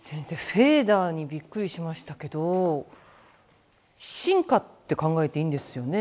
フェーダーにびっくりしましたけど進化って考えていいんですよね。